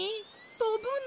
とぶの？